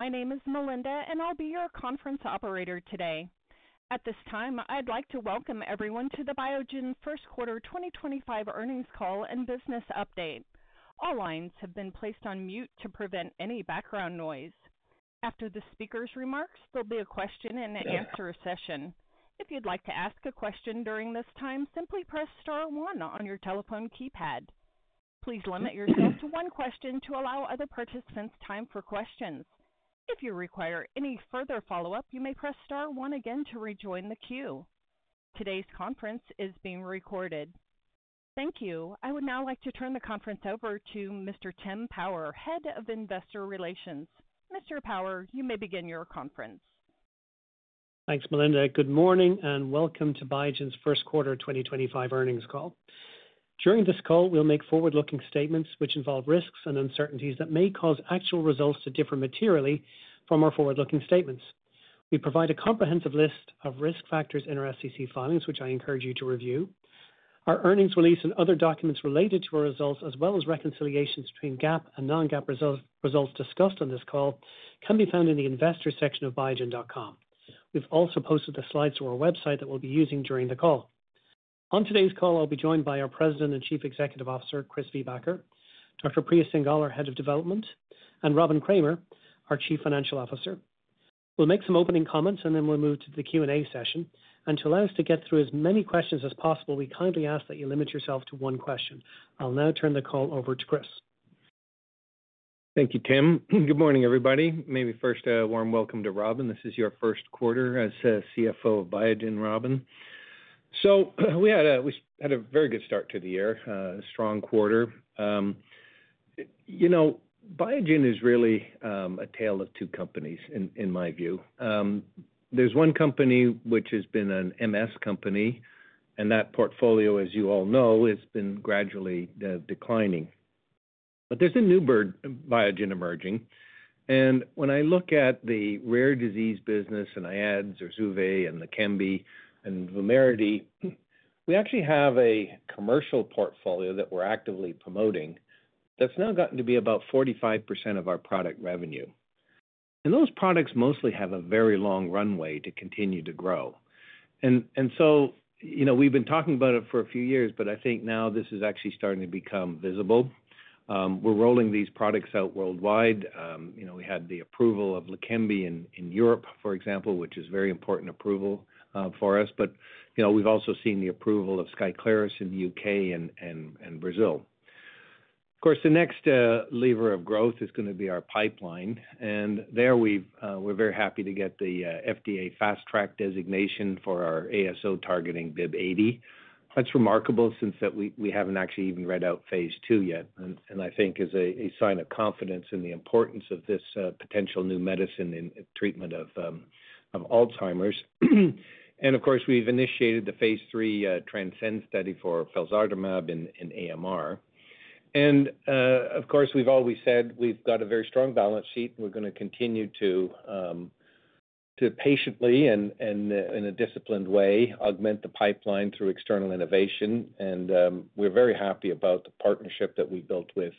My name is Melinda, and I'll be your conference operator today. At this time, I'd like to welcome everyone to the Biogen first quarter 2025 earnings call and business update. All lines have been placed on mute to prevent any background noise. After the speaker's remarks, there'll be a question-and-answer session. If you'd like to ask a question during this time, simply press star one on your telephone keypad. Please limit yourself to one question to allow other participants time for questions. If you require any further follow-up, you may press star one again to rejoin the queue. Today's conference is being recorded. Thank you. I would now like to turn the conference over to Mr. Tim Power, Head of Investor Relations. Mr. Power, you may begin your conference. Thanks, Melinda. Good morning and welcome to Biogen's first quarter 2025 earnings call. During this call, we'll make forward-looking statements which involve risks and uncertainties that may cause actual results to differ materially from our forward-looking statements. We provide a comprehensive list of risk factors in our SEC filings, which I encourage you to review. Our earnings release and other documents related to our results, as well as reconciliations between GAAP and non-GAAP results discussed on this call, can be found in the investors' section of biogen.com. We've also posted the slides to our website that we'll be using during the call. On today's call, I'll be joined by our President and Chief Executive Officer, Chris Viehbacher, Dr. Priya Singhal, our Head of Development, and Robin Kramer, our Chief Financial Officer. We'll make some opening comments, and then we'll move to the Q&A session. To allow us to get through as many questions as possible, we kindly ask that you limit yourself to one question. I'll now turn the call over to Chris. Thank you, Tim. Good morning, everybody. Maybe first, a warm welcome to Robin. This is your first quarter as CFO of Biogen, Robin. We had a very good start to the year, a strong quarter. You know, Biogen is really a tale of two companies, in my view. There is one company which has been an MS company, and that portfolio, as you all know, has been gradually declining. There is a new Biogen emerging. When I look at the rare disease business and ads or ZURZUVAE and Leqembi and Vumerity, we actually have a commercial portfolio that we are actively promoting that has now gotten to be about 45% of our product revenue. Those products mostly have a very long runway to continue to grow. We have been talking about it for a few years, but I think now this is actually starting to become visible. We're rolling these products out worldwide. We had the approval of Leqembi in Europe, for example, which is a very important approval for us. We have also seen the approval of SKYCLARYS in the U.K. and Brazil. Of course, the next lever of growth is going to be our pipeline. There we're very happy to get the FDA Fast Track designation for our ASO targeting BIIB080. That's remarkable since we haven't actually even read out phase II yet, and I think is a sign of confidence in the importance of this potential new medicine in treatment of Alzheimer's. We have initiated the phase III TRANSCEND study for felsartamab in AMR. We have always said we've got a very strong balance sheet, and we're going to continue to patiently and in a disciplined way augment the pipeline through external innovation. We're very happy about the partnership that we built with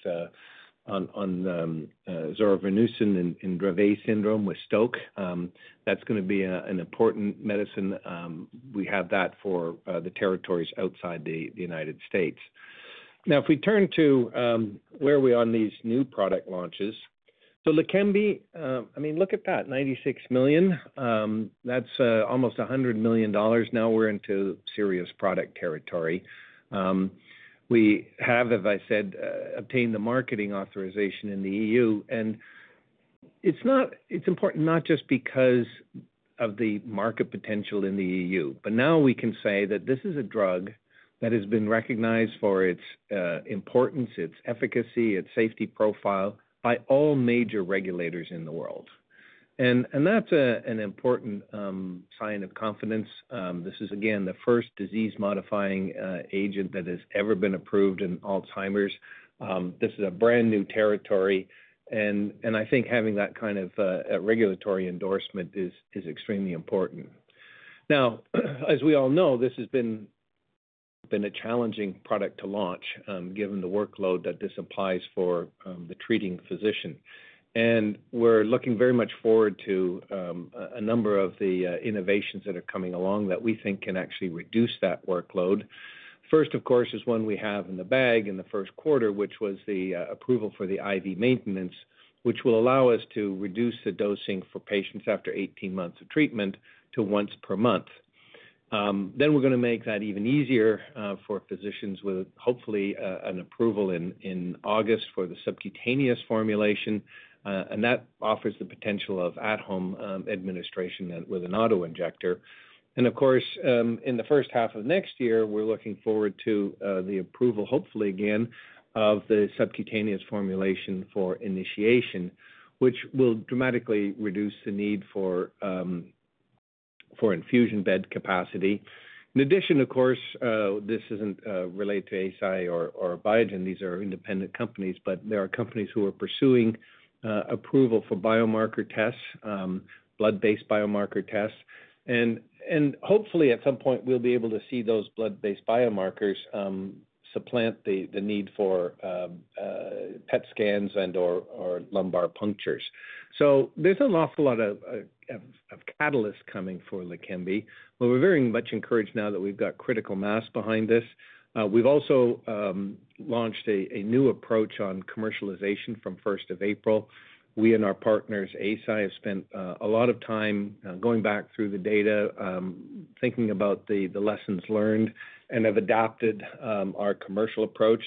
zoravonersen in Dravet syndrome with Stoke. That's going to be an important medicine. We have that for the territories outside the United States. Now, if we turn to where we are on these new product launches, Leqembi, I mean, look at that, $96 million. That's almost $100 million. Now we're into serious product territory. We have, as I said, obtained the marketing authorization in the EU. It's important not just because of the market potential in the EU, but now we can say that this is a drug that has been recognized for its importance, its efficacy, its safety profile by all major regulators in the world. That's an important sign of confidence. This is, again, the first disease-modifying agent that has ever been approved in Alzheimer's. This is a brand new territory. I think having that kind of regulatory endorsement is extremely important. As we all know, this has been a challenging product to launch given the workload that this implies for the treating physician. We are looking very much forward to a number of the innovations that are coming along that we think can actually reduce that workload. First, of course, is one we have in the bag in the first quarter, which was the approval for the IV maintenance, which will allow us to reduce the dosing for patients after 18 months of treatment to once per month. We are going to make that even easier for physicians with hopefully an approval in August for the subcutaneous formulation. That offers the potential of at-home administration with an auto injector. Of course, in the first half of next year, we're looking forward to the approval, hopefully again, of the subcutaneous formulation for initiation, which will dramatically reduce the need for infusion bed capacity. In addition, this isn't related to Eisai or Biogen. These are independent companies, but there are companies who are pursuing approval for biomarker tests, blood-based biomarker tests. Hopefully, at some point, we'll be able to see those blood-based biomarkers supplant the need for PET scans and/or lumbar punctures. There is an awful lot of catalysts coming for Leqembi. We are very much encouraged now that we've got critical mass behind this. We've also launched a new approach on commercialization from 1st of April. We and our partners, Eisai, have spent a lot of time going back through the data, thinking about the lessons learned, and have adapted our commercial approach.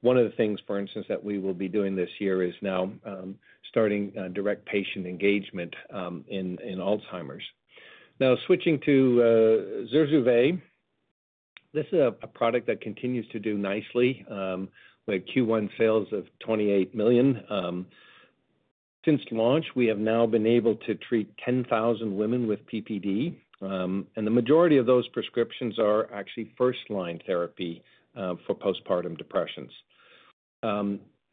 One of the things, for instance, that we will be doing this year is now starting direct patient engagement in Alzheimer's. Now, switching to ZURZUVAE, this is a product that continues to do nicely. We had Q1 sales of $28 million. Since launch, we have now been able to treat 10,000 women with PPD. The majority of those prescriptions are actually first-line therapy for postpartum depression.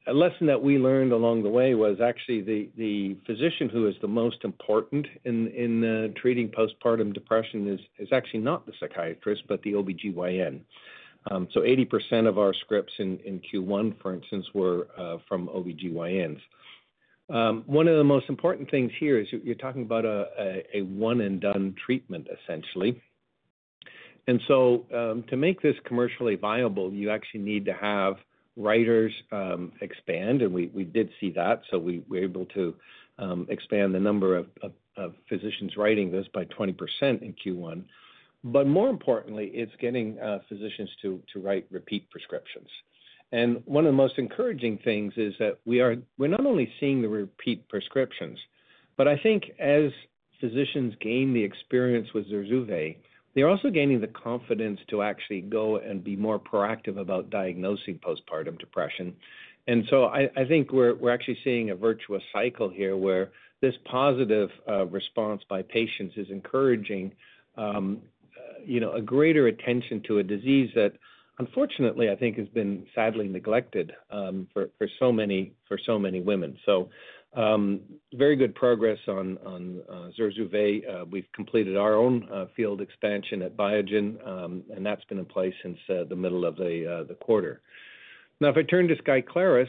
A lesson that we learned along the way was actually the physician who is the most important in treating postpartum depression is actually not the psychiatrist, but the OB-GYN. 80% of our scripts in Q1, for instance, were from OB-GYNs. One of the most important things here is you are talking about a one-and-done treatment, essentially. To make this commercially viable, you actually need to have writers expand. We did see that. We were able to expand the number of physicians writing this by 20% in Q1. More importantly, it's getting physicians to write repeat prescriptions. One of the most encouraging things is that we're not only seeing the repeat prescriptions, but I think as physicians gain the experience with ZURZUVAE, they're also gaining the confidence to actually go and be more proactive about diagnosing postpartum depression. I think we're actually seeing a virtuous cycle here where this positive response by patients is encouraging a greater attention to a disease that, unfortunately, I think has been sadly neglected for so many women. Very good progress on ZURZUVAE. We've completed our own field expansion at Biogen, and that's been in place since the middle of the quarter. Now, if I turn to SKYCLARYS,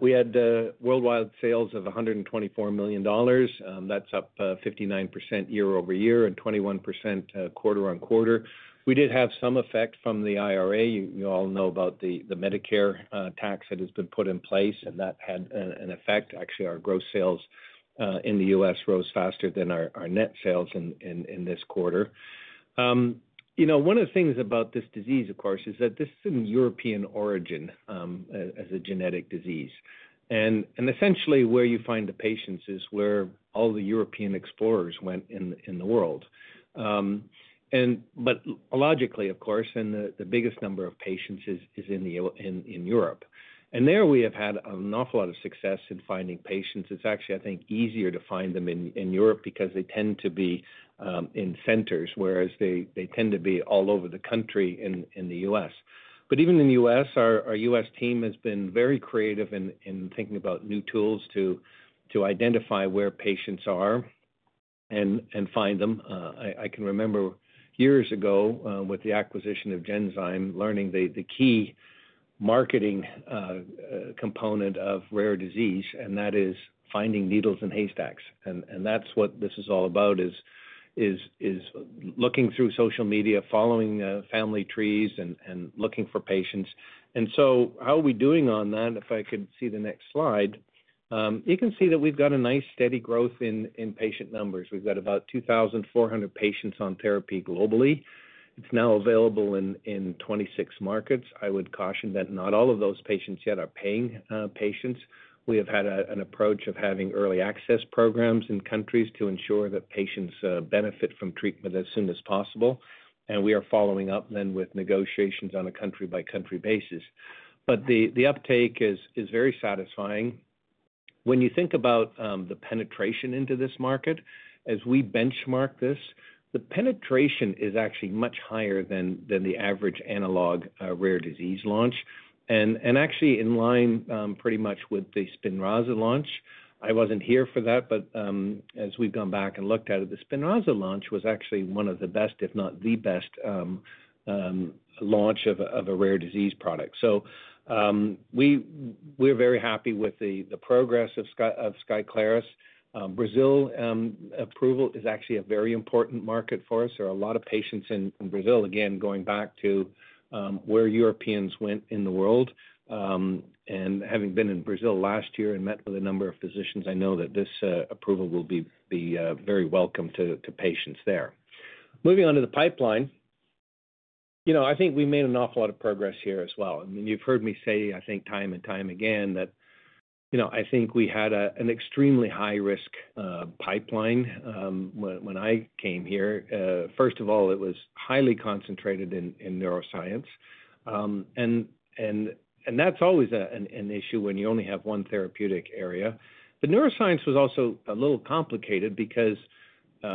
we had worldwide sales of $124 million. That's up 59% year-over-year and 21% quarter-on-quarter. We did have some effect from the IRA. You all know about the Medicare tax that has been put in place, and that had an effect. Actually, our gross sales in the U.S. rose faster than our net sales in this quarter. One of the things about this disease, of course, is that this is of European origin as a genetic disease. Essentially, where you find the patients is where all the European explorers went in the world. Logically, of course, the biggest number of patients is in Europe. There we have had an awful lot of success in finding patients. It's actually, I think, easier to find them in Europe because they tend to be in centers, whereas they tend to be all over the country in the U.S. Even in the U.S., our U.S. team has been very creative in thinking about new tools to identify where patients are and find them. I can remember years ago with the acquisition of Genzyme, learning the key marketing component of rare disease, and that is finding needles in haystacks. That is what this is all about, looking through social media, following family trees, and looking for patients. How are we doing on that? If I could see the next slide, you can see that we have got a nice steady growth in patient numbers. We have got about 2,400 patients on therapy globally. It is now available in 26 markets. I would caution that not all of those patients yet are paying patients. We have had an approach of having early access programs in countries to ensure that patients benefit from treatment as soon as possible. We are following up then with negotiations on a country-by-country basis. The uptake is very satisfying. When you think about the penetration into this market, as we benchmark this, the penetration is actually much higher than the average analog rare disease launch. Actually, in line pretty much with the SPINRAZA launch, I wasn't here for that, but as we've gone back and looked at it, the SPINRAZA launch was actually one of the best, if not the best launch of a rare disease product. We are very happy with the progress of SKYCLARYS. Brazil approval is actually a very important market for us. There are a lot of patients in Brazil, again, going back to where Europeans went in the world. Having been in Brazil last year and met with a number of physicians, I know that this approval will be very welcome to patients there. Moving on to the pipeline, I think we made an awful lot of progress here as well. I mean, you've heard me say, I think, time and time again that I think we had an extremely high-risk pipeline when I came here. First of all, it was highly concentrated in neuroscience. That is always an issue when you only have one therapeutic area. Neuroscience was also a little complicated because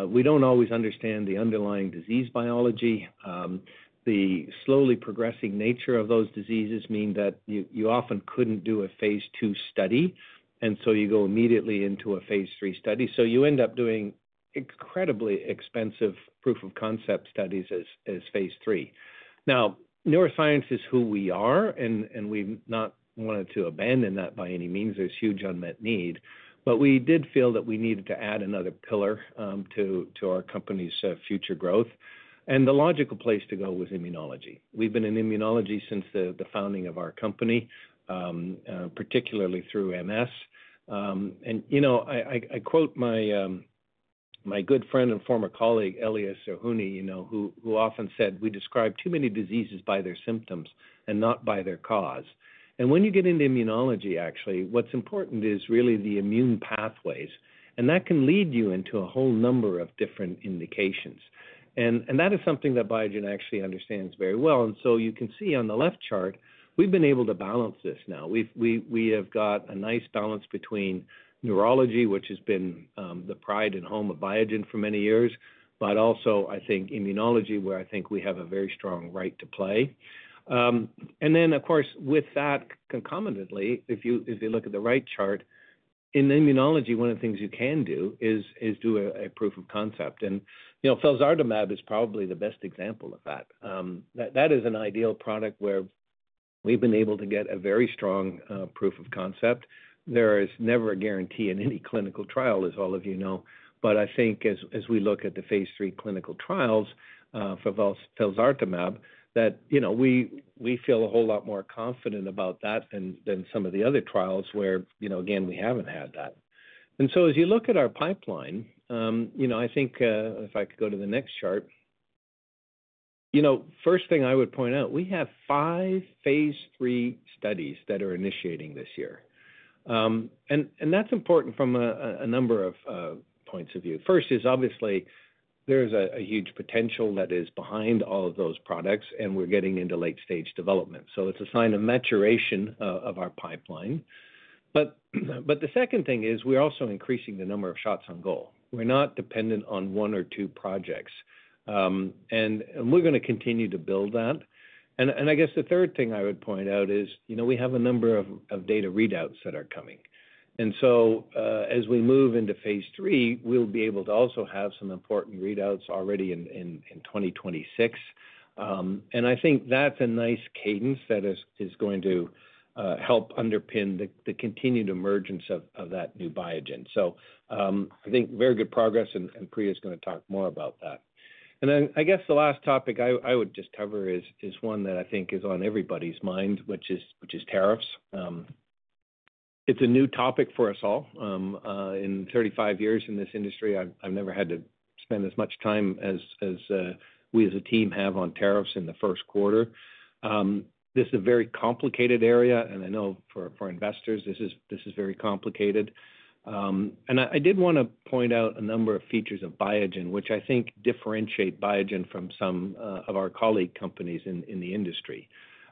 we do not always understand the underlying disease biology. The slowly progressing nature of those diseases means that you often could not do a phase II study. You go immediately into a phase III study. You end up doing incredibly expensive proof of concept studies as phase III. Now, neuroscience is who we are, and we have not wanted to abandon that by any means. There is huge unmet need. We did feel that we needed to add another pillar to our company's future growth. The logical place to go was immunology. We've been in immunology since the founding of our company, particularly through MS. I quote my good friend and former colleague, Elias Zerhouni, who often said, "We describe too many diseases by their symptoms and not by their cause." When you get into immunology, actually, what's important is really the immune pathways. That can lead you into a whole number of different indications. That is something that Biogen actually understands very well. You can see on the left chart, we've been able to balance this now. We have got a nice balance between neurology, which has been the pride and home of Biogen for many years, but also, I think, immunology, where I think we have a very strong right to play. Of course, with that concomitantly, if you look at the right chart, in immunology, one of the things you can do is do a proof of concept. Felsartamab is probably the best example of that. That is an ideal product where we've been able to get a very strong proof of concept. There is never a guarantee in any clinical trial, as all of you know. I think as we look at the phase III clinical trials for felsartamab, we feel a whole lot more confident about that than some of the other trials where, again, we haven't had that. As you look at our pipeline, I think if I could go to the next chart, first thing I would point out, we have five phase III studies that are initiating this year. That is important from a number of points of view. First is, obviously, there is a huge potential that is behind all of those products, and we're getting into late-stage development. It is a sign of maturation of our pipeline. The second thing is we're also increasing the number of shots on goal. We're not dependent on one or two projects. We're going to continue to build that. I guess the third thing I would point out is we have a number of data readouts that are coming. As we move into phase III, we'll be able to also have some important readouts already in 2026. I think that's a nice cadence that is going to help underpin the continued emergence of that new Biogen. I think very good progress, and Priya is going to talk more about that. I guess the last topic I would just cover is one that I think is on everybody's mind, which is tariffs. It's a new topic for us all. In 35 years in this industry, I've never had to spend as much time as we as a team have on tariffs in the first quarter. This is a very complicated area. I know for investors, this is very complicated. I did want to point out a number of features of Biogen, which I think differentiate Biogen from some of our colleague companies in the industry.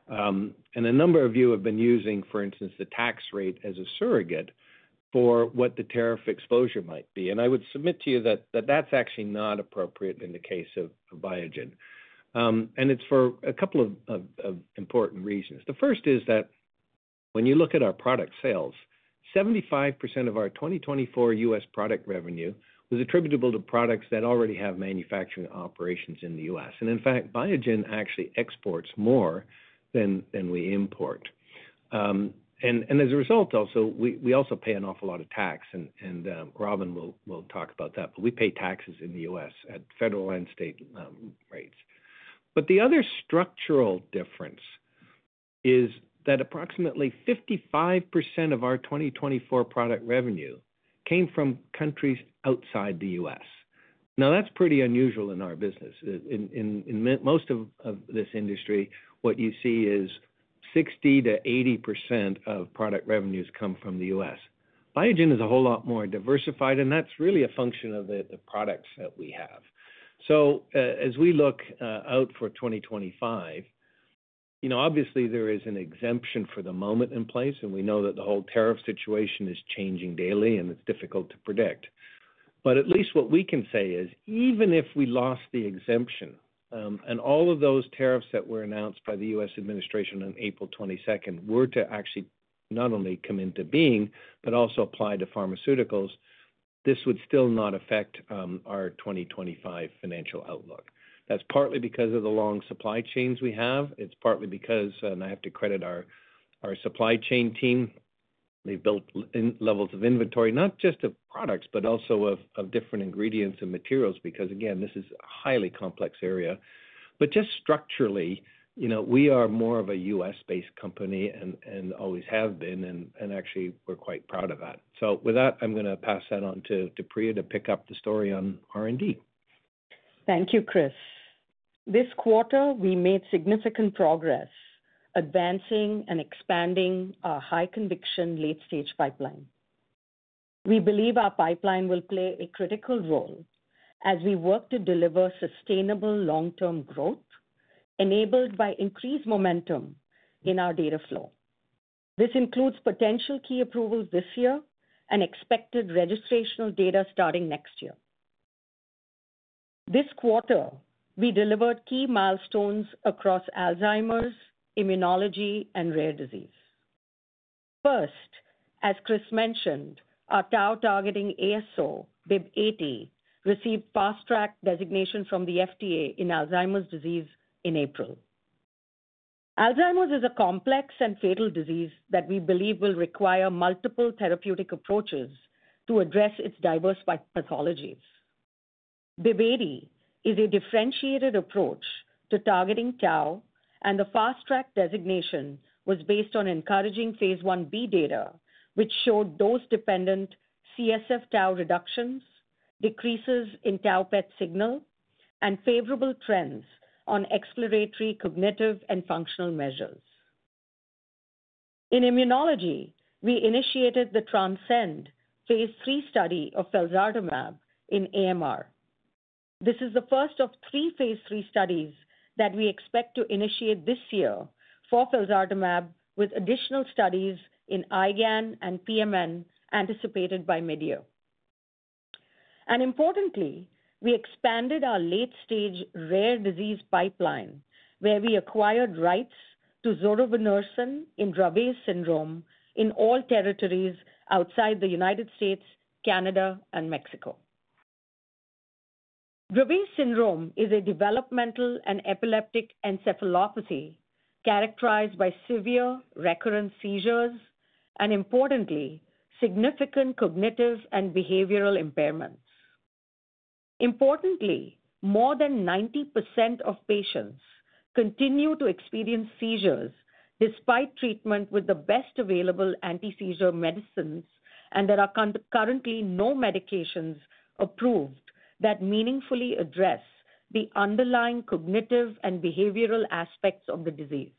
A number of you have been using, for instance, the tax rate as a surrogate for what the tariff exposure might be. I would submit to you that that's actually not appropriate in the case of Biogen. It's for a couple of important reasons. The first is that when you look at our product sales, 75% of our 2024 U.S. product revenue was attributable to products that already have manufacturing operations in the U.S. In fact, Biogen actually exports more than we import. As a result, we also pay an awful lot of tax. Robin will talk about that. We pay taxes in the US at federal and state rates. The other structural difference is that approximately 55% of our 2024 product revenue came from countries outside the U.S. Now, that's pretty unusual in our business. In most of this industry, what you see is 60%-80% of product revenues come from the U.S. Biogen is a whole lot more diversified, and that's really a function of the products that we have. As we look out for 2025, obviously, there is an exemption for the moment in place. We know that the whole tariff situation is changing daily, and it's difficult to predict. At least what we can say is, even if we lost the exemption and all of those tariffs that were announced by the U.S. administration on April 22nd, 2024 were to actually not only come into being, but also apply to pharmaceuticals, this would still not affect our 2025 financial outlook. That's partly because of the long supply chains we have. It's partly because, and I have to credit our supply chain team, they've built levels of inventory, not just of products, but also of different ingredients and materials, because, again, this is a highly complex area. Just structurally, we are more of a U.S.-based company and always have been. Actually, we're quite proud of that. With that, I'm going to pass that on to Priya to pick up the story on R&D. Thank you, Chris. This quarter, we made significant progress advancing and expanding our high-conviction late-stage pipeline. We believe our pipeline will play a critical role as we work to deliver sustainable long-term growth enabled by increased momentum in our data flow. This includes potential key approvals this year and expected registrational data starting next year. This quarter, we delivered key milestones across Alzheimer's, immunology, and rare disease. First, as Chris mentioned, our tau-targeting ASO, BIIB080, received Fast Track designation from the FDA in Alzheimer's disease in April. Alzheimer's is a complex and fatal disease that we believe will require multiple therapeutic approaches to address its diverse pathologies. BIIB080 is a differentiated approach to targeting tau, and the Fast Track designation was based on encouraging phase Ib data, which showed dose-dependent CSF tau reductions, decreases in tau-PET signal, and favorable trends on exploratory cognitive and functional measures. In immunology, we initiated the TRANSCEND phase III study of felsartamab in AMR. This is the first of three phase III studies that we expect to initiate this year for felsartamab, with additional studies in IgAN and PMN anticipated by mid-year. Importantly, we expanded our late-stage rare disease pipeline, where we acquired rights to zoravonersen in Dravet syndrome in all territories outside the United States, Canada, and Mexico. Dravet syndrome is a developmental and epileptic encephalopathy characterized by severe recurrent seizures and, importantly, significant cognitive and behavioral impairments. Importantly, more than 90% of patients continue to experience seizures despite treatment with the best available anti-seizure medicines, and there are currently no medications approved that meaningfully address the underlying cognitive and behavioral aspects of the disease.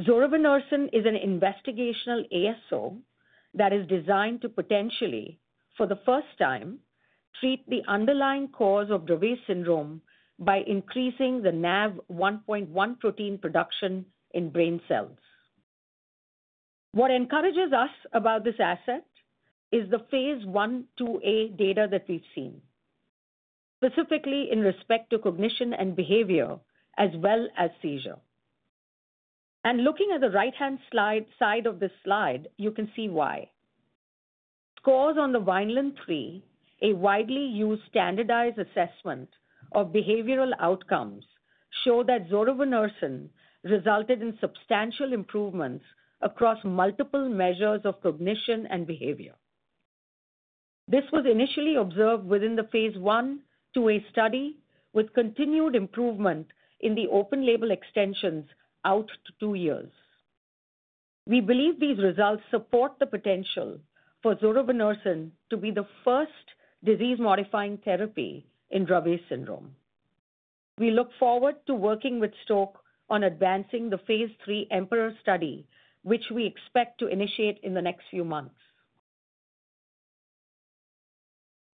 Zoravonersen is an investigational ASO that is designed to potentially, for the first time, treat the underlying cause of Dravet syndrome by increasing the NAV1.1 protein production in brain cells. What encourages us about this asset is the phase I/IIa data that we've seen, specifically in respect to cognition and behavior as well as seizure. Looking at the right-hand side of this slide, you can see why. Scores on the Vineland-3, a widely used standardized assessment of behavioral outcomes, show that zoravonersen resulted in substantial improvements across multiple measures of cognition and behavior. This was initially observed within the phase I/IIa study with continued improvement in the open-label extensions out to two years. We believe these results support the potential for zoravonersen to be the first disease-modifying therapy in Dravet syndrome. We look forward to working with Stoke on advancing the phase III EMPEROR study, which we expect to initiate in the next few months.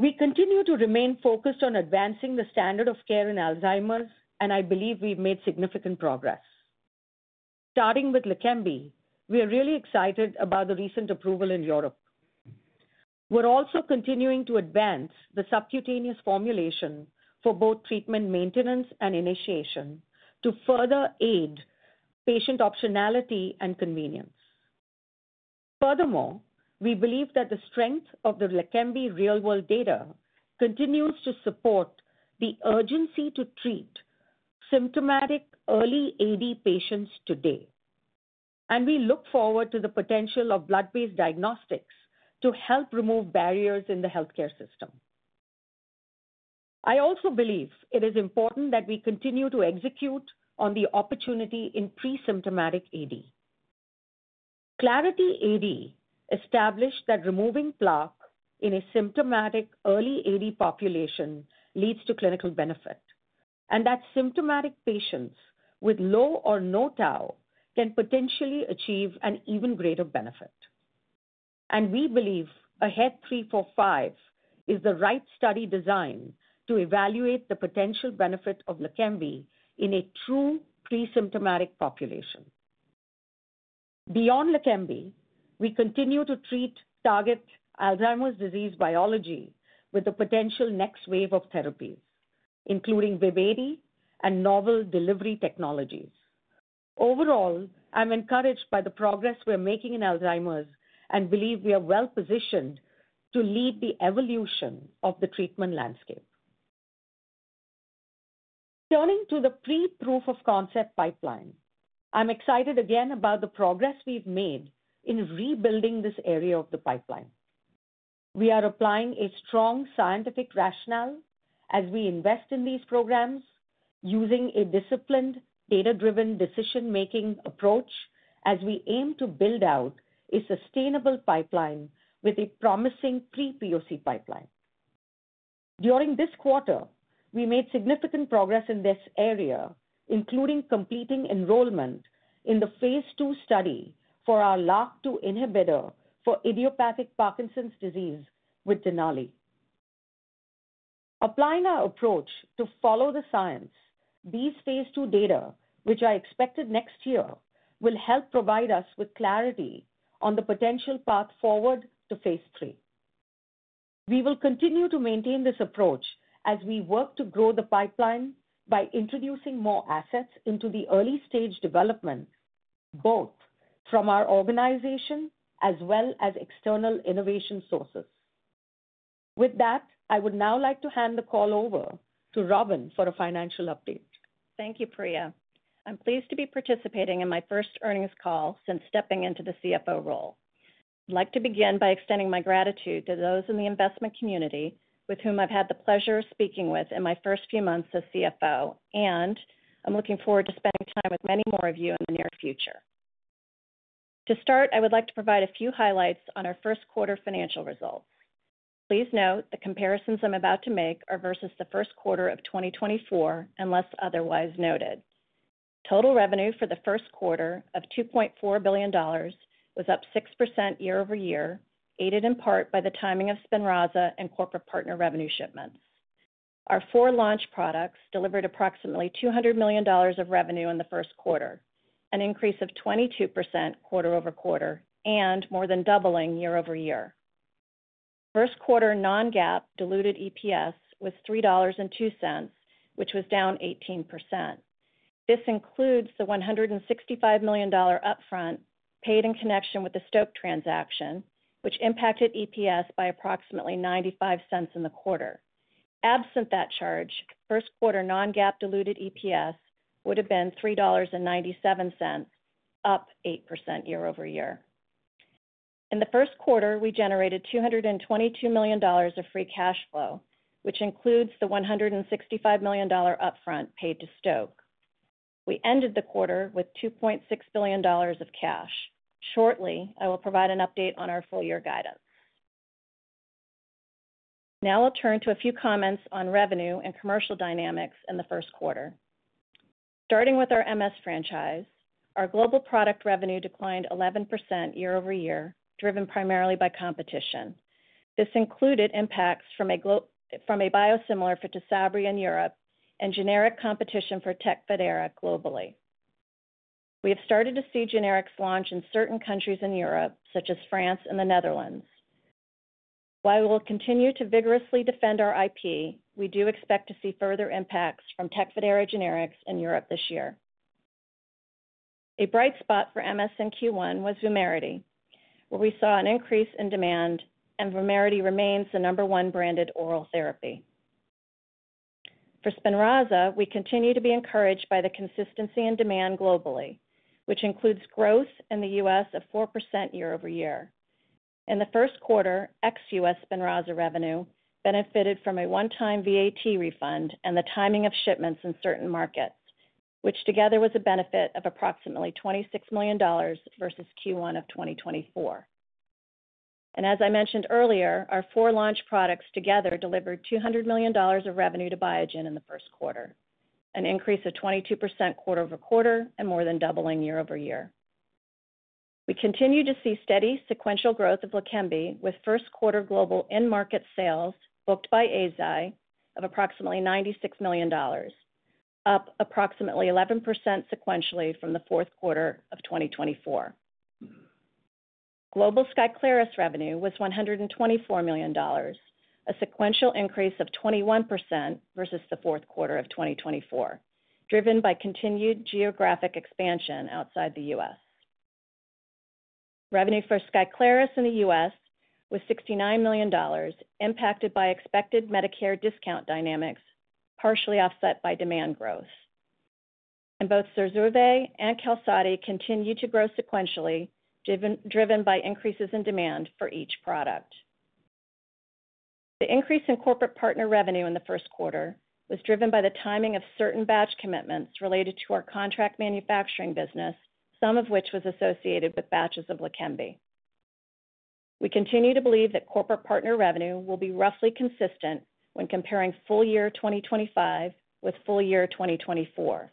We continue to remain focused on advancing the standard of care in Alzheimer's, and I believe we've made significant progress. Starting with Leqembi, we are really excited about the recent approval in Europe. We're also continuing to advance the subcutaneous formulation for both treatment maintenance and initiation to further aid patient optionality and convenience. Furthermore, we believe that the strength of the Leqembi real-world data continues to support the urgency to treat symptomatic early AD patients today. We look forward to the potential of blood-based diagnostics to help remove barriers in the healthcare system. I also believe it is important that we continue to execute on the opportunity in pre-symptomatic AD. Clarity AD established that removing plaque in a symptomatic early AD population leads to clinical benefit, and that symptomatic patients with low or no tau can potentially achieve an even greater benefit. We believe AHEAD 3-45 is the right study designed to evaluate the potential benefit of Leqembi in a true pre-symptomatic population. Beyond Leqembi, we continue to target Alzheimer's disease biology with the potential next wave of therapies, including BIIB080 and novel delivery technologies. Overall, I'm encouraged by the progress we're making in Alzheimer's and believe we are well-positioned to lead the evolution of the treatment landscape. Returning to the pre-proof of concept pipeline, I'm excited again about the progress we've made in rebuilding this area of the pipeline. We are applying a strong scientific rationale as we invest in these programs, using a disciplined, data-driven decision-making approach as we aim to build out a sustainable pipeline with a promising pre-POC pipeline. During this quarter, we made significant progress in this area, including completing enrollment in the phase II study for our LRRK2 inhibitor for idiopathic Parkinson's disease with Denali. Applying our approach to follow the science, these phase II data, which are expected next year, will help provide us with clarity on the potential path forward to phase III. We will continue to maintain this approach as we work to grow the pipeline by introducing more assets into the early-stage development, both from our organization as well as external innovation sources. With that, I would now like to hand the call over to Robin for a financial update. Thank you, Priya. I'm pleased to be participating in my first earnings call since stepping into the CFO role. I'd like to begin by extending my gratitude to those in the investment community with whom I've had the pleasure of speaking with in my first few months as CFO, and I'm looking forward to spending time with many more of you in the near future. To start, I would like to provide a few highlights on our first quarter financial results. Please note the comparisons I'm about to make are versus the first quarter of 2024, unless otherwise noted. Total revenue for the first quarter of $2.4 billion was up 6% year-over-year, aided in part by the timing of SPINRAZA and corporate partner revenue shipments. Our four launch products delivered approximately $200 million of revenue in the first quarter, an increase of 22% quarter-over-quarter and more than doubling year-over-year. Our first quarter non-GAAP diluted EPS was $3.02, which was down 18%. This includes the $165 million upfront paid in connection with the Stoke transaction, which impacted EPS by approximately $0.95 in the quarter. Absent that charge, first quarter non-GAAP diluted EPS would have been $3.97, up 8% year-over-year. In the first quarter, we generated $222 million of free cash flow, which includes the $165 million upfront paid to Stoke. We ended the quarter with $2.6 billion of cash. Shortly, I will provide an update on our full-year guidance. Now I'll turn to a few comments on revenue and commercial dynamics in the first quarter. Starting with our MS franchise, our global product revenue declined 11% year-over-year, driven primarily by competition. This included impacts from a biosimilar for Tysabri in Europe and generic competition for Tecfidera globally. We have started to see generics launch in certain countries in Europe, such as France and the Netherlands. While we will continue to vigorously defend our IP, we do expect to see further impacts from Tecfidera generics in Europe this year. A bright spot for MS in Q1 was Vumerity, where we saw an increase in demand, and Vumerity remains the number one branded oral therapy. For SPINRAZA, we continue to be encouraged by the consistency in demand globally, which includes growth in the U.S. of 4% year-over-year. In the first quarter, ex-U.S. SPINRAZA revenue benefited from a one-time VAT refund and the timing of shipments in certain markets, which together was a benefit of approximately $26 million versus Q1 of 2024. As I mentioned earlier, our four launch products together delivered $200 million of revenue to Biogen in the first quarter, an increase of 22% quarter-over-quarter and more than doubling year-over-year. We continue to see steady sequential growth of Leqembi, with first quarter global in-market sales booked by Eisai of approximately $96 million, up approximately 11% sequentially from the fourth quarter of 2024. Global SKYCLARYS revenue was $124 million, a sequential increase of 21% versus the fourth quarter of 2024, driven by continued geographic expansion outside the U.S. Revenue for SKYCLARYS in the U.S. was $69 million, impacted by expected Medicare discount dynamics, partially offset by demand growth. Both ZURZUVAE and SKYCLARYS continue to grow sequentially, driven by increases in demand for each product. The increase in corporate partner revenue in the first quarter was driven by the timing of certain batch commitments related to our contract manufacturing business, some of which was associated with batches of Leqembi. We continue to believe that corporate partner revenue will be roughly consistent when comparing full year 2025 with full year 2024.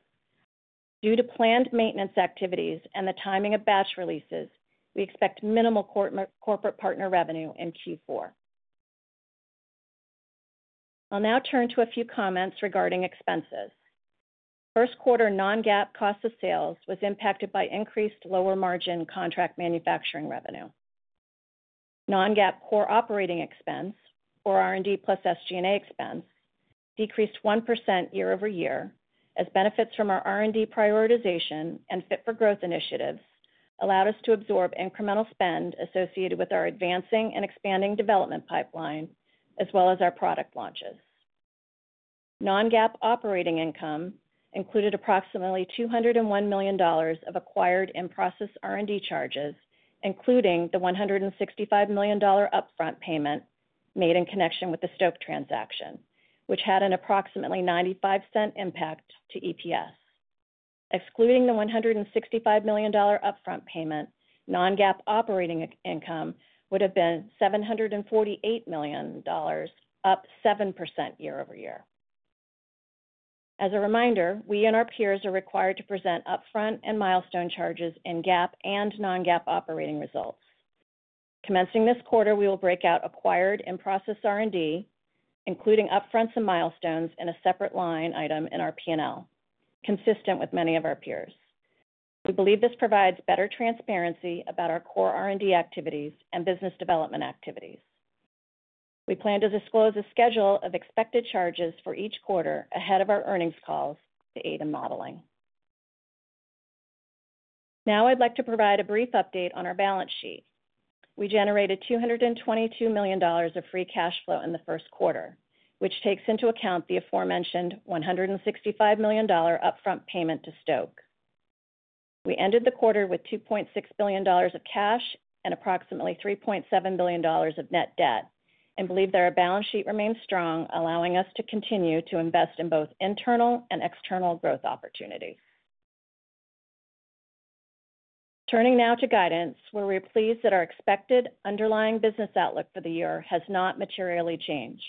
Due to planned maintenance activities and the timing of batch releases, we expect minimal corporate partner revenue in Q4. I'll now turn to a few comments regarding expenses. First quarter non-GAAP cost of sales was impacted by increased lower margin contract manufacturing revenue. Non-GAAP core operating expense, or R&D plus SG&A expense, decreased 1% year-over-year as benefits from our R&D prioritization and fit for growth initiatives allowed us to absorb incremental spend associated with our advancing and expanding development pipeline, as well as our product launches. Non-GAAP operating income included approximately $201 million of acquired in-process R&D charges, including the $165 million upfront payment made in connection with the Stoke transaction, which had an approximately 95% impact to EPS. Excluding the $165 million upfront payment, non-GAAP operating income would have been $748 million, up 7% year-over-year. As a reminder, we and our peers are required to present upfront and milestone charges in GAAP and non-GAAP operating results. Commencing this quarter, we will break out acquired in-process R&D, including upfronts and milestones in a separate line item in our P&L, consistent with many of our peers. We believe this provides better transparency about our core R&D activities and business development activities. We plan to disclose a schedule of expected charges for each quarter ahead of our earnings calls to aid in modeling. Now I'd like to provide a brief update on our balance sheet. We generated $222 million of free cash flow in the first quarter, which takes into account the aforementioned $165 million upfront payment to Stoke. We ended the quarter with $2.6 billion of cash and approximately $3.7 billion of net debt, and believe that our balance sheet remains strong, allowing us to continue to invest in both internal and external growth opportunities. Turning now to guidance, we're pleased that our expected underlying business outlook for the year has not materially changed.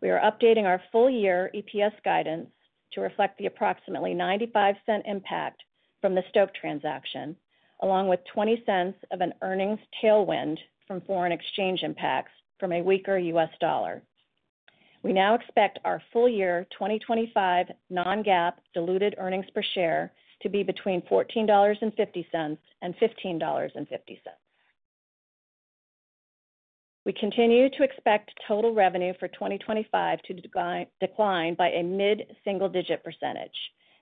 We are updating our full-year EPS guidance to reflect the approximately 95% impact from the Stoke transaction, along with $0.20 of an earnings tailwind from foreign exchange impacts from a weaker U.S. dollar. We now expect our full-year 2025 non-GAAP diluted earnings per share to be between $14.50-$15.50. We continue to expect total revenue for 2025 to decline by a mid-single-digit percentage,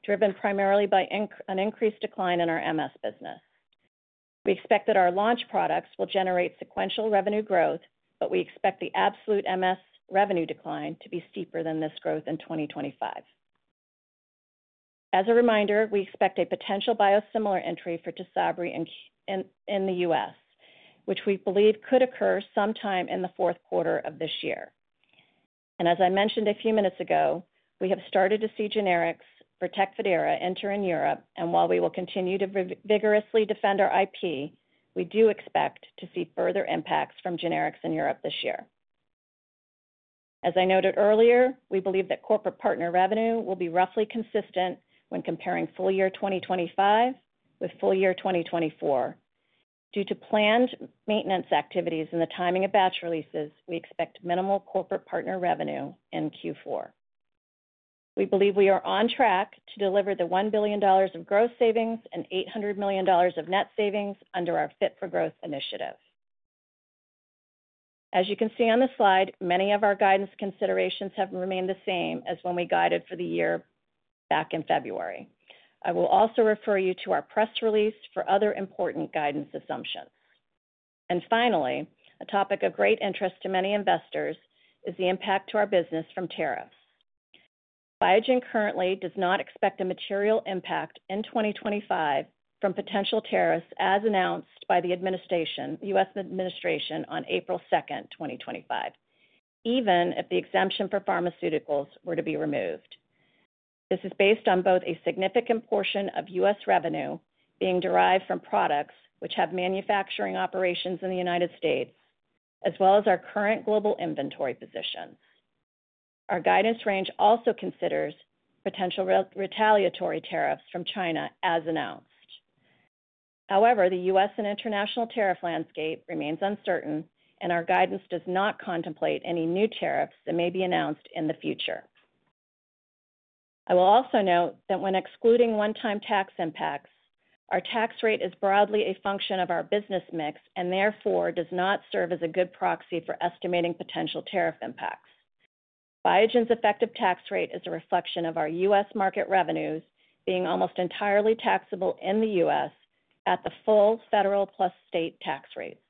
driven primarily by an increased decline in our MS business. We expect that our launch products will generate sequential revenue growth, but we expect the absolute MS revenue decline to be steeper than this growth in 2025. As a reminder, we expect a potential biosimilar entry for Tysabri in the U.S., which we believe could occur sometime in the fourth quarter of this year. As I mentioned a few minutes ago, we have started to see generics for Tecfidera enter in Europe, and while we will continue to vigorously defend our IP, we do expect to see further impacts from generics in Europe this year. As I noted earlier, we believe that corporate partner revenue will be roughly consistent when comparing full year 2025 with full year 2024. Due to planned maintenance activities and the timing of batch releases, we expect minimal corporate partner revenue in Q4. We believe we are on track to deliver the $1 billion of gross savings and $800 million of net savings under our fit for growth initiative. As you can see on the slide, many of our guidance considerations have remained the same as when we guided for the year back in February. I will also refer you to our press release for other important guidance assumptions. A topic of great interest to many investors is the impact to our business from tariffs. Biogen currently does not expect a material impact in 2025 from potential tariffs as announced by the U.S. administration on April 2nd, 2025, even if the exemption for pharmaceuticals were to be removed. This is based on both a significant portion of U.S. revenue being derived from products which have manufacturing operations in the United States, as well as our current global inventory positions. Our guidance range also considers potential retaliatory tariffs from China as announced. However, the U.S. and international tariff landscape remains uncertain, and our guidance does not contemplate any new tariffs that may be announced in the future. I will also note that when excluding one-time tax impacts, our tax rate is broadly a function of our business mix and therefore does not serve as a good proxy for estimating potential tariff impacts. Biogen's effective tax rate is a reflection of our U.S. market revenues being almost entirely taxable in the U.S. at the full federal plus state tax rates.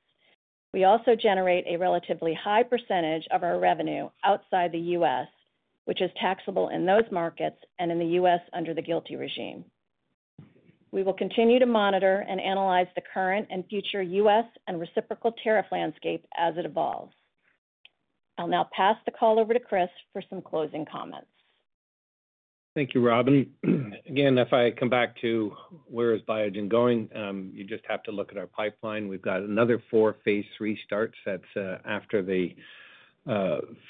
We also generate a relatively high percentage of our revenue outside the U.S., which is taxable in those markets and in the U.S. under the GILTI regime. We will continue to monitor and analyze the current and future US and reciprocal tariff landscape as it evolves. I'll now pass the call over to Chris for some closing comments. Thank you, Robin. Again, if I come back to where is Biogen going, you just have to look at our pipeline. We've got another four phase restarts. That's after the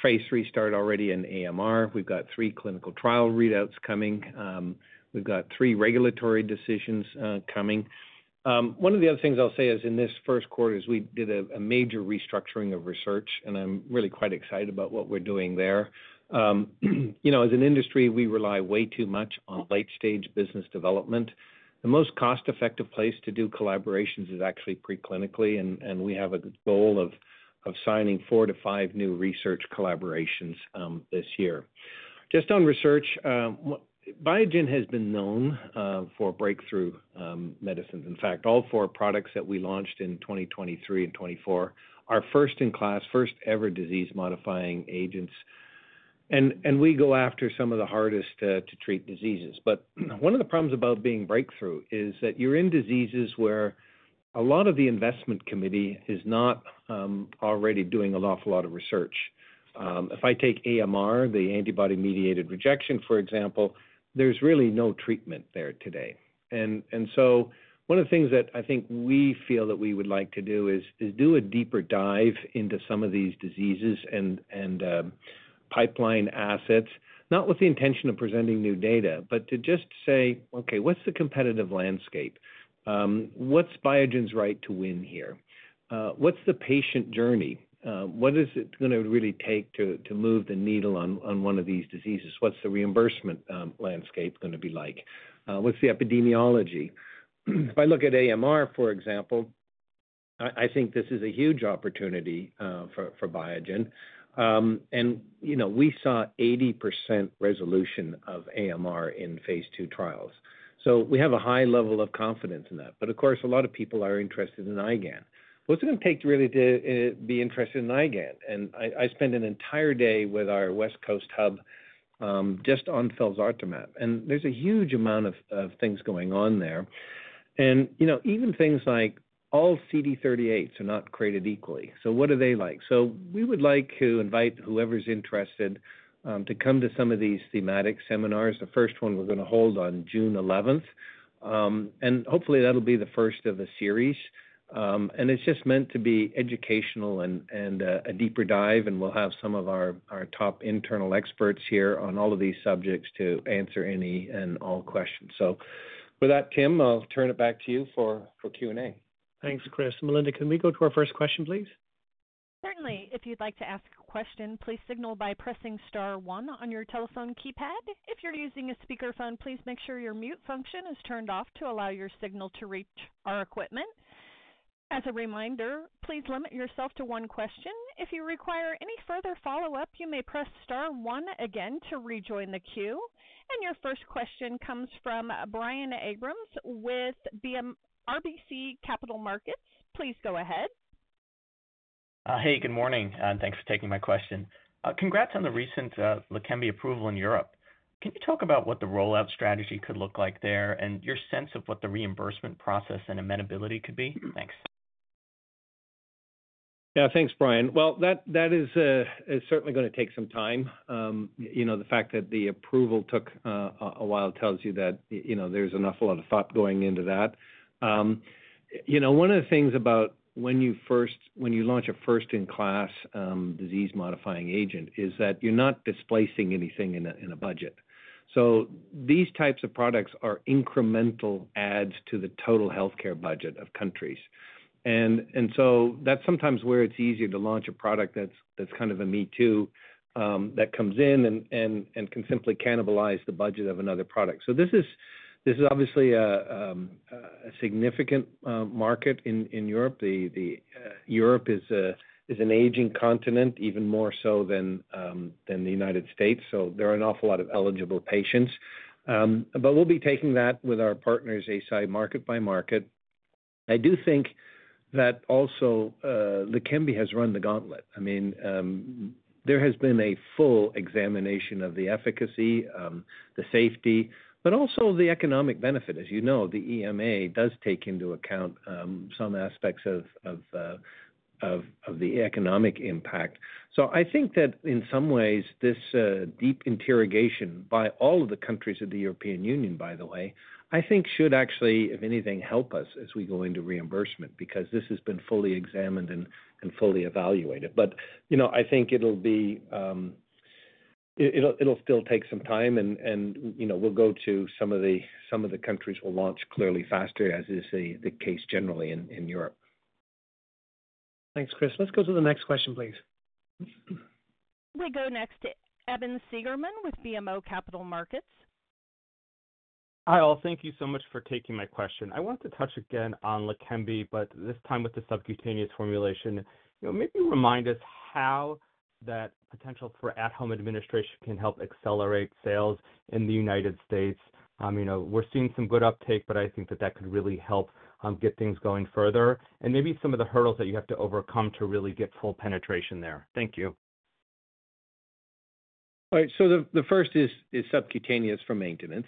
phase restart already in AMR. We've got three clinical trial readouts coming. We've got three regulatory decisions coming. One of the other things I'll say is in this first quarter is we did a major restructuring of research, and I'm really quite excited about what we're doing there. As an industry, we rely way too much on late-stage business development. The most cost-effective place to do collaborations is actually preclinically, and we have a goal of signing four to five new research collaborations this year. Just on research, Biogen has been known for breakthrough medicines. In fact, all four products that we launched in 2023 and 2024 are first-in-class, first-ever disease-modifying agents. We go after some of the hardest-to-treat diseases. One of the problems about being breakthrough is that you're in diseases where a lot of the investment committee is not already doing an awful lot of research. If I take AMR, the antibody-mediated rejection, for example, there's really no treatment there today. One of the things that I think we feel that we would like to do is do a deeper dive into some of these diseases and pipeline assets, not with the intention of presenting new data, but to just say, "Okay, what's the competitive landscape? What's Biogen's right to win here? What's the patient journey? What is it going to really take to move the needle on one of these diseases? What's the reimbursement landscape going to be like? What's the epidemiology? If I look at AMR, for example, I think this is a huge opportunity for Biogen. We saw 80% resolution of AMR in phase II trials. We have a high level of confidence in that. Of course, a lot of people are interested in IgAN. What's it going to take to really be interested in IgAN? I spent an entire day with our West Coast hub just on Felsartamab. There's a huge amount of things going on there. Even things like all CD38s are not created equally. What are they like? We would like to invite whoever's interested to come to some of these thematic seminars. The first one we're going to hold on June 11th. Hopefully that'll be the first of the series. It's just meant to be educational and a deeper dive. We will have some of our top internal experts here on all of these subjects to answer any and all questions. With that, Tim, I'll turn it back to you for Q&A. Thanks, Chris. Melinda, can we go to our first question, please? Certainly. If you'd like to ask a question, please signal by pressing star one on your telephone keypad. If you're using a speakerphone, please make sure your mute function is turned off to allow your signal to reach our equipment. As a reminder, please limit yourself to one question. If you require any further follow-up, you may press star one again to rejoin the queue. Your first question comes from Brian Abrahams with RBC Capital Markets. Please go ahead. Hey, good morning. Thanks for taking my question. Congrats on the recent Leqembi approval in Europe. Can you talk about what the rollout strategy could look like there and your sense of what the reimbursement process and amenability could be? Thanks. Yeah, thanks, Brian. That is certainly going to take some time. The fact that the approval took a while tells you that there's an awful lot of thought going into that. One of the things about when you launch a first-in-class disease-modifying agent is that you're not displacing anything in a budget. These types of products are incremental adds to the total healthcare budget of countries. That is sometimes where it's easier to launch a product that's kind of a me too that comes in and can simply cannibalize the budget of another product. This is obviously a significant market in Europe. Europe is an aging continent, even more so than the United States. There are an awful lot of eligible patients. We'll be taking that with our partners Eisai, market by market. I do think that also Leqembi has run the gauntlet. I mean, there has been a full examination of the efficacy, the safety, but also the economic benefit. As you know, the EMA does take into account some aspects of the economic impact. I think that in some ways, this deep interrogation by all of the countries of the European Union, by the way, I think should actually, if anything, help us as we go into reimbursement because this has been fully examined and fully evaluated. I think it'll still take some time. We'll go to some of the countries we'll launch clearly faster, as is the case generally in Europe. Thanks, Chris. Let's go to the next question, please. We go next to Evan Seigerman with BMO Capital Markets. Hi, all. Thank you so much for taking my question. I want to touch again on Leqembi, but this time with the subcutaneous formulation. Maybe remind us how that potential for at-home administration can help accelerate sales in the United States. We're seeing some good uptake, but I think that that could really help get things going further and maybe some of the hurdles that you have to overcome to really get full penetration there. Thank you. All right. The first is subcutaneous for maintenance.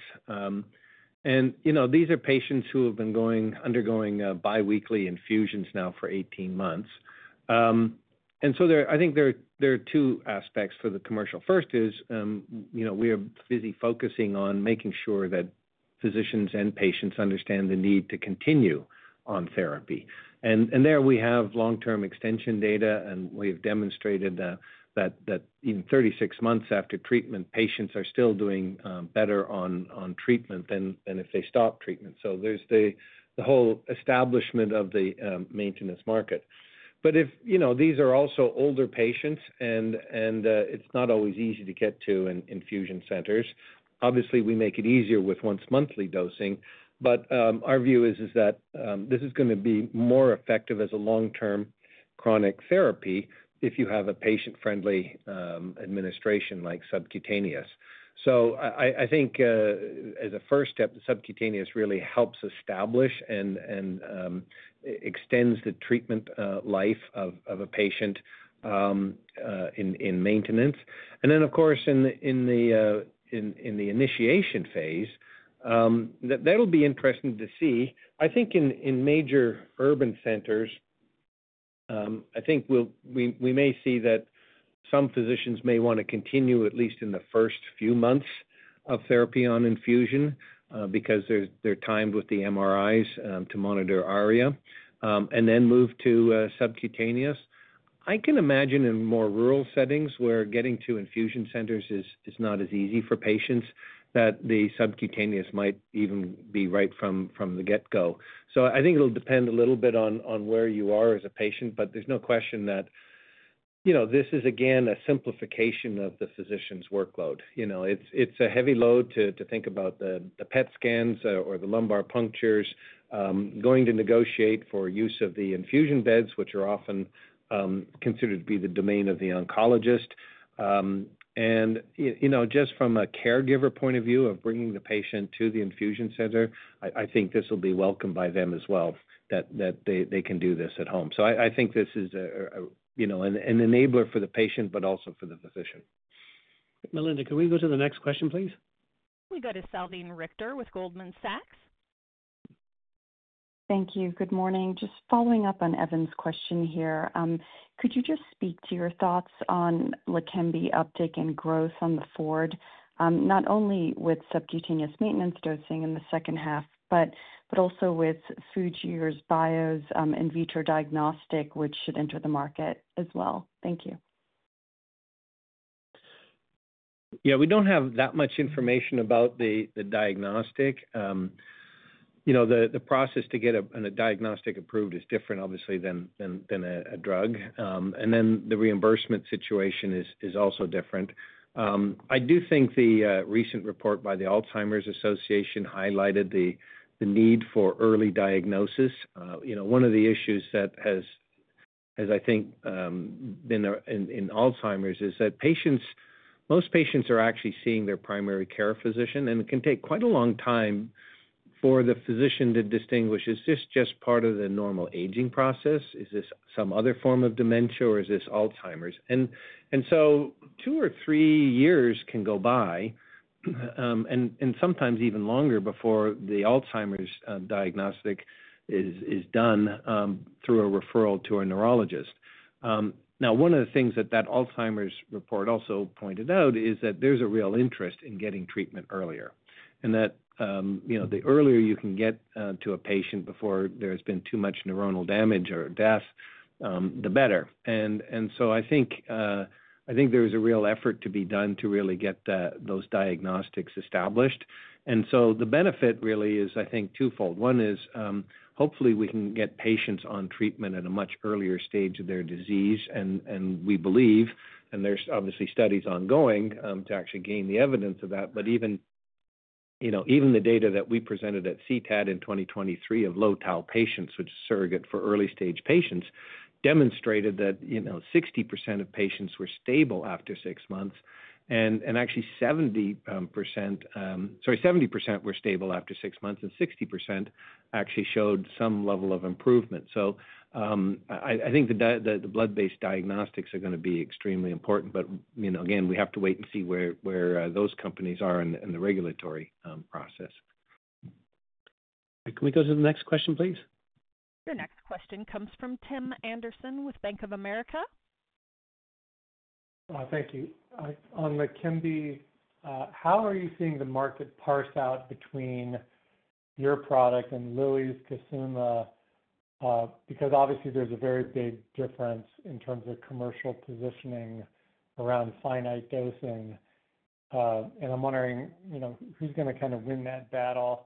These are patients who have been undergoing biweekly infusions now for 18 months. I think there are two aspects for the commercial. First is we are busy focusing on making sure that physicians and patients understand the need to continue on therapy. There we have long-term extension data, and we have demonstrated that even 36 months after treatment, patients are still doing better on treatment than if they stop treatment. There is the whole establishment of the maintenance market. These are also older patients, and it is not always easy to get to in infusion centers. Obviously, we make it easier with once-monthly dosing. Our view is that this is going to be more effective as a long-term chronic therapy if you have a patient-friendly administration like subcutaneous. I think as a first step, the subcutaneous really helps establish and extends the treatment life of a patient in maintenance. And then, of course, in the initiation phase, that'll be interesting to see. I think in major urban centers, I think we may see that some physicians may want to continue, at least in the first few months of therapy on infusion because they're timed with the MRIs to monitor ARIA and then move to subcutaneous. I can imagine in more rural settings where getting to infusion centers is not as easy for patients that the subcutaneous might even be right from the get-go. I think it'll depend a little bit on where you are as a patient, but there's no question that this is, again, a simplification of the physician's workload. It's a heavy load to think about the PET scans or the lumbar punctures, going to negotiate for use of the infusion beds, which are often considered to be the domain of the oncologist. Just from a caregiver point of view of bringing the patient to the infusion center, I think this will be welcomed by them as well that they can do this at home. I think this is an enabler for the patient, but also for the physician. Melinda, can we go to the next question, please? We go to Salveen Richter with Goldman Sachs. Thank you. Good morning. Just following up on Evan's question here, could you just speak to your thoughts on Leqembi uptake and growth on the forward, not only with subcutaneous maintenance dosing in the second half, but also with Fujirebio's in vitro diagnostic, which should enter the market as well? Thank you. Yeah, we don't have that much information about the diagnostic. The process to get a diagnostic approved is different, obviously, than a drug. The reimbursement situation is also different. I do think the recent report by the Alzheimer's Association highlighted the need for early diagnosis. One of the issues that has, as I think, been in Alzheimer's is that most patients are actually seeing their primary care physician, and it can take quite a long time for the physician to distinguish, is this just part of the normal aging process? Is this some other form of dementia, or is this Alzheimer's? Two or three years can go by, and sometimes even longer before the Alzheimer's diagnostic is done through a referral to a neurologist. Now, one of the things that that Alzheimer's report also pointed out is that there's a real interest in getting treatment earlier and that the earlier you can get to a patient before there has been too much neuronal damage or death, the better. I think there is a real effort to be done to really get those diagnostics established. The benefit really is, I think, twofold. One is hopefully we can get patients on treatment at a much earlier stage of their disease. We believe, and there's obviously studies ongoing to actually gain the evidence of that. Even the data that we presented at CTAD in 2023 of low-tau patients, which is surrogate for early-stage patients, demonstrated that 60% of patients were stable after six months. Actually, 70% were stable after six months, and 60% actually showed some level of improvement. I think the blood-based diagnostics are going to be extremely important. Again, we have to wait and see where those companies are in the regulatory process. Can we go to the next question, please? The next question comes from Tim Anderson with Bank of America. Thank you. On Leqembi, how are you seeing the market parse out between your product and Lilly's Kisunla? Because obviously, there's a very big difference in terms of commercial positioning around finite dosing. I'm wondering who's going to kind of win that battle.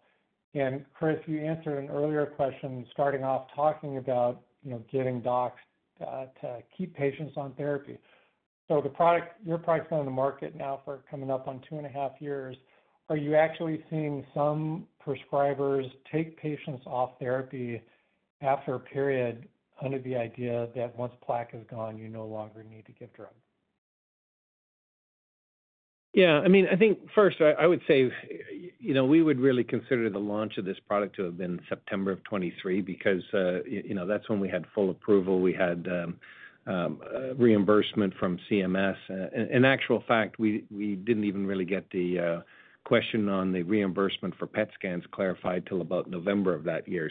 Chris, you answered an earlier question starting off talking about getting docs to keep patients on therapy. Your product's been on the market now for coming up on two and a half years. Are you actually seeing some prescribers take patients off therapy after a period under the idea that once plaque is gone, you no longer need to give drugs? Yeah. I mean, I think first, I would say we would really consider the launch of this product to have been September of 2023 because that's when we had full approval. We had reimbursement from CMS. In actual fact, we didn't even really get the question on the reimbursement for PET scans clarified till about November of that year.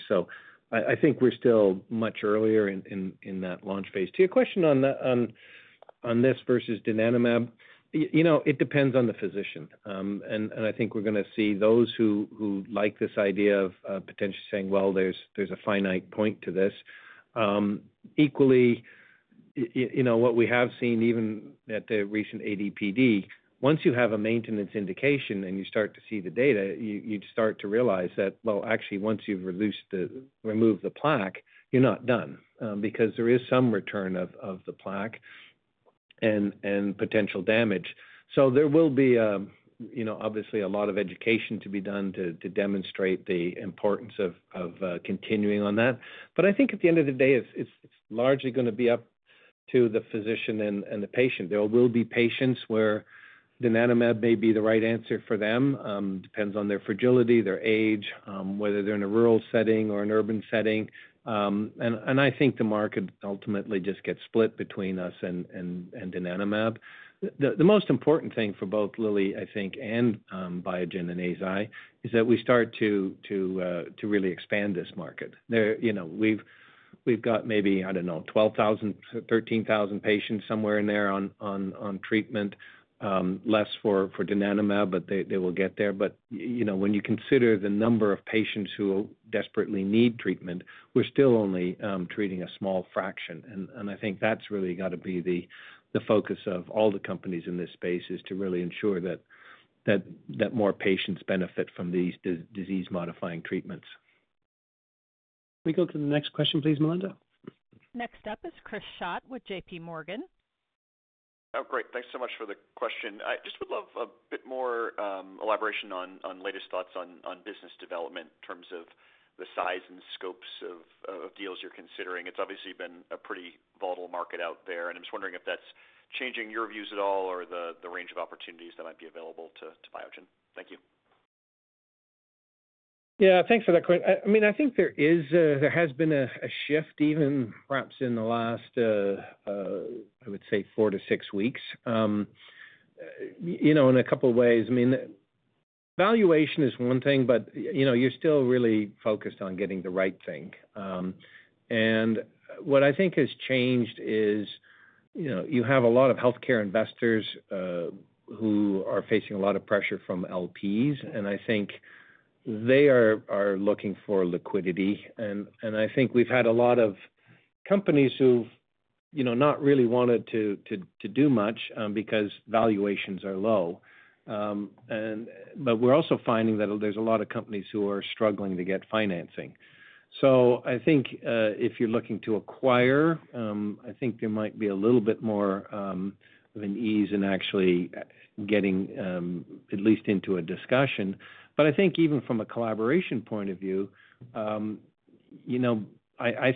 I think we're still much earlier in that launch phase. To your question on this versus donanemab, it depends on the physician. I think we're going to see those who like this idea of potentially saying, "Well, there's a finite point to this." Equally, what we have seen even at the recent ADPD, once you have a maintenance indication and you start to see the data, you start to realize that, actually, once you've removed the plaque, you're not done because there is some return of the plaque and potential damage. There will be obviously a lot of education to be done to demonstrate the importance of continuing on that. I think at the end of the day, it's largely going to be up to the physician and the patient. There will be patients where donanemab may be the right answer for them. It depends on their fragility, their age, whether they're in a rural setting or an urban setting. I think the market ultimately just gets split between us and donanemab. The most important thing for both Lilly, I think, and Biogen and Eisai is that we start to really expand this market. We've got maybe, I don't know, 12,000, 13,000 patients somewhere in there on treatment, less for donanemab, but they will get there. When you consider the number of patients who desperately need treatment, we're still only treating a small fraction. I think that's really got to be the focus of all the companies in this space is to really ensure that more patients benefit from these disease-modifying treatments. Can we go to the next question, please, Melinda? Next up is Chris Schott with JPMorgan. Oh, great. Thanks so much for the question. I just would love a bit more elaboration on latest thoughts on business development in terms of the size and scopes of deals you're considering. It's obviously been a pretty volatile market out there. I'm just wondering if that's changing your views at all or the range of opportunities that might be available to Biogen. Thank you. Yeah, thanks for that question. I mean, I think there has been a shift even perhaps in the last, I would say, four to six weeks in a couple of ways. I mean, valuation is one thing, but you're still really focused on getting the right thing. What I think has changed is you have a lot of healthcare investors who are facing a lot of pressure from LPs. I think they are looking for liquidity. I think we've had a lot of companies who've not really wanted to do much because valuations are low. We're also finding that there's a lot of companies who are struggling to get financing. I think if you're looking to acquire, I think there might be a little bit more of an ease in actually getting at least into a discussion. I think even from a collaboration point of view, I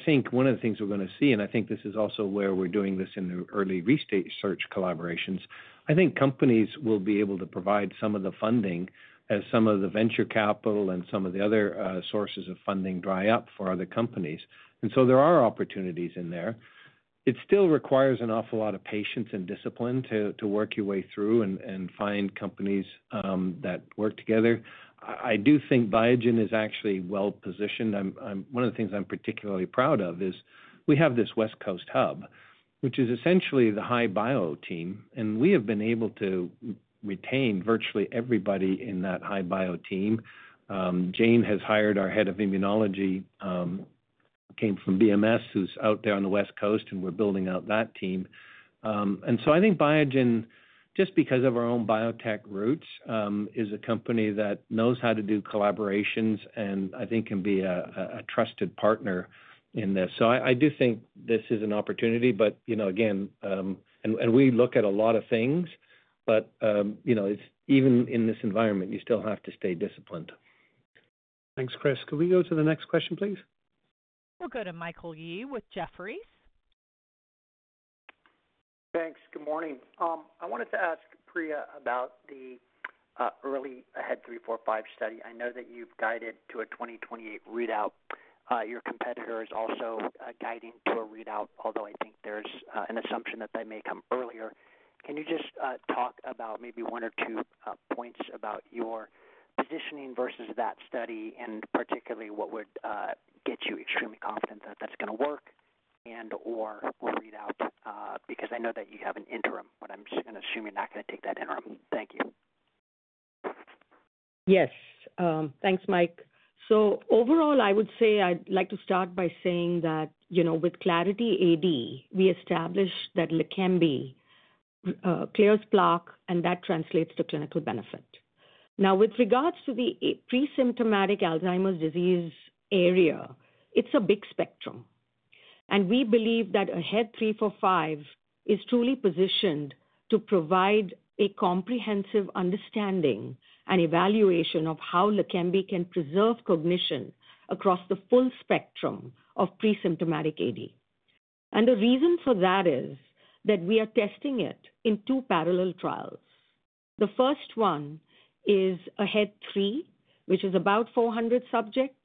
think one of the things we're going to see, and I think this is also where we're doing this in the early research collaborations, I think companies will be able to provide some of the funding as some of the venture capital and some of the other sources of funding dry up for other companies. There are opportunities in there. It still requires an awful lot of patience and discipline to work your way through and find companies that work together. I do think Biogen is actually well positioned. One of the things I'm particularly proud of is we have this West Coast hub, which is essentially the high bio team. We have been able to retain virtually everybody in that high bio team. Jane has hired our head of immunology, came from BMS, who's out there on the West Coast, and we're building out that team. I think Biogen, just because of our own biotech roots, is a company that knows how to do collaborations and I think can be a trusted partner in this. I do think this is an opportunity. Again, we look at a lot of things, but even in this environment, you still have to stay disciplined. Thanks, Chris. Can we go to the next question, please? We'll go to Michael Yee with Jefferies. Thanks. Good morning. I wanted to ask Priya about the early AHEAD 3-45 study. I know that you've guided to a 2028 readout. Your competitor is also guiding to a readout, although I think there's an assumption that they may come earlier. Can you just talk about maybe one or two points about your positioning versus that study and particularly what would get you extremely confident that that's going to work and/or a readout? Because I know that you have an interim, but I'm going to assume you're not going to take that interim. Thank you. Yes. Thanks, Mike. I would say I'd like to start by saying that with Clarity AD, we established that Leqembi clears plaque, and that translates to clinical benefit. Now, with regards to the pre-symptomatic Alzheimer's disease area, it's a big spectrum. We believe that AHEAD 3-45 is truly positioned to provide a comprehensive understanding and evaluation of how Leqembi can preserve cognition across the full spectrum of pre-symptomatic AD. The reason for that is that we are testing it in two parallel trials. The first one is AHEAD 3, which is about 400 subjects.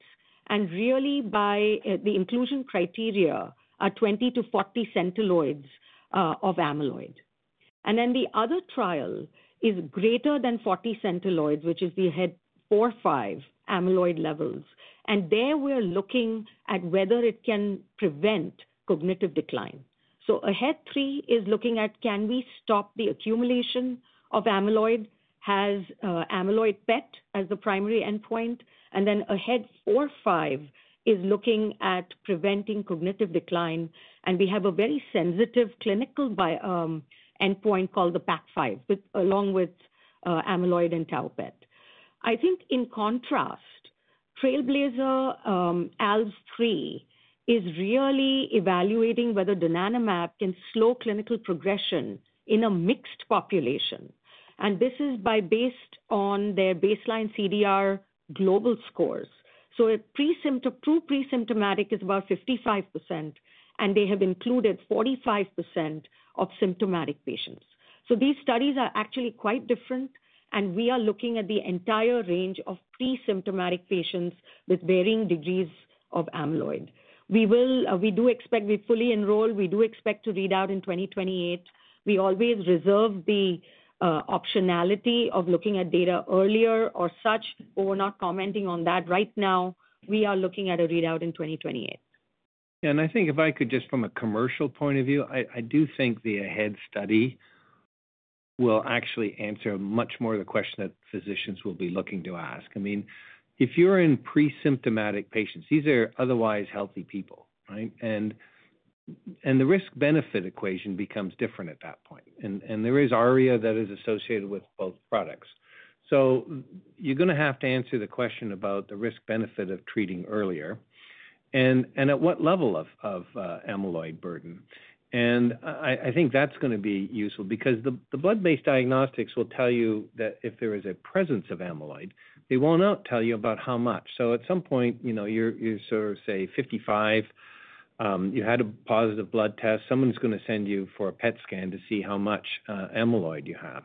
By the inclusion criteria, are 20-40 centiloids of amyloid. The other trial is greater than 40 centiloids, which is the AHEAD 45 amyloid levels. There we are looking at whether it can prevent cognitive decline. AHEAD 3 is looking at can we stop the accumulation of amyloid, has amyloid PET as the primary endpoint. AHEAD 45 is looking at preventing cognitive decline. We have a very sensitive clinical endpoint called the PAC-5 along with amyloid and tau PET. I think in contrast, TRAILBLAZER-ALZ 3 is really evaluating whether donanemab can slow clinical progression in a mixed population. This is based on their baseline CDR global scores. True presymptomatic is about 55%, and they have included 45% of symptomatic patients. These studies are actually quite different. We are looking at the entire range of presymptomatic patients with varying degrees of amyloid. We do expect we fully enroll. We do expect to read out in 2028. We always reserve the optionality of looking at data earlier or such. We're not commenting on that right now. We are looking at a readout in 2028. Yeah. I think if I could just from a commercial point of view, I do think the AHEAD study will actually answer much more of the question that physicians will be looking to ask. I mean, if you're in presymptomatic patients, these are otherwise healthy people, right? The risk-benefit equation becomes different at that point. There is ARIA that is associated with both products. You're going to have to answer the question about the risk-benefit of treating earlier and at what level of amyloid burden. I think that's going to be useful because the blood-based diagnostics will tell you that if there is a presence of amyloid, they will not tell you about how much. At some point, you sort of say 55, you had a positive blood test, someone's going to send you for a PET scan to see how much amyloid you have.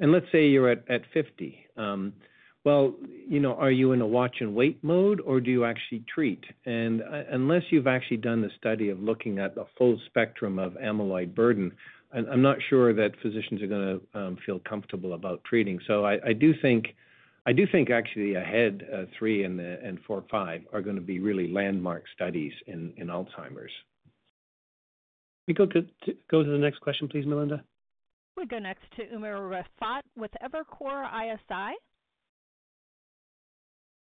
Let's say you're at 50. Are you in a watch-and-wait mode, or do you actually treat? Unless you've actually done the study of looking at the full spectrum of amyloid burden, I'm not sure that physicians are going to feel comfortable about treating. I do think actually AHEAD 3-45 are going to be really landmark studies in Alzheimer's. Can we go to the next question, please, Melinda? We wo next to Umer Raffat with Evercore ISI.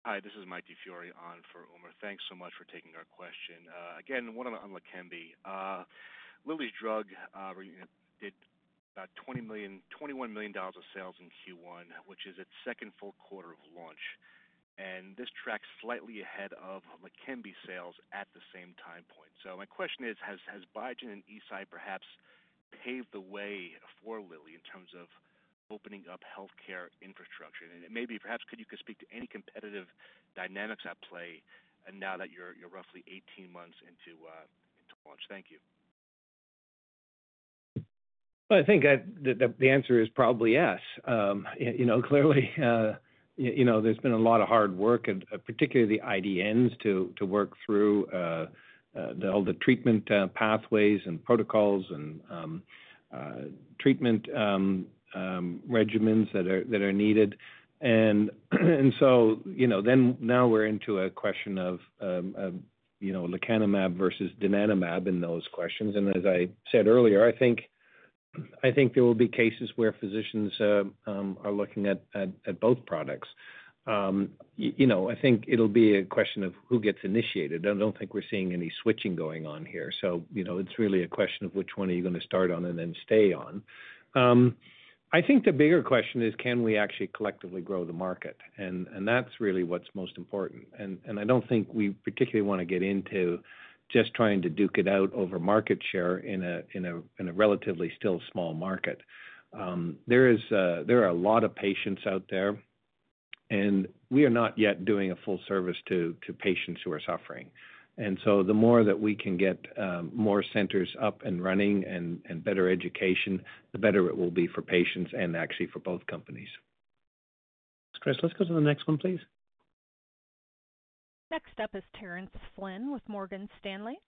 Hi, this is Mike DiFiore on for Umer. Thanks so much for taking our question. Again, I want to unlock on Leqembi. Lilly's drug did about $21 million of sales in Q1, which is its second full quarter of launch. This tracks slightly ahead of Leqembi sales at the same time point. My question is, has Biogen and Eisai perhaps paved the way for Lilly in terms of opening up healthcare infrastructure? Maybe perhaps could you speak to any competitive dynamics at play now that you're roughly 18 months into launch? Thank you. I think the answer is probably yes. Clearly, there's been a lot of hard work, particularly the IDNs, to work through all the treatment pathways and protocols and treatment regimens that are needed. Now we're into a question of lecanemab versus donanemab in those questions. As I said earlier, I think there will be cases where physicians are looking at both products. I think it'll be a question of who gets initiated. I don't think we're seeing any switching going on here. It's really a question of which one are you going to start on and then stay on. I think the bigger question is, can we actually collectively grow the market? That's really what's most important. I don't think we particularly want to get into just trying to duke it out over market share in a relatively still small market. There are a lot of patients out there, and we are not yet doing a full service to patients who are suffering. The more that we can get more centers up and running and better education, the better it will be for patients and actually for both companies. Chris, let's go to the next one, please. Next up is Terence Flynn with Morgan Stanley.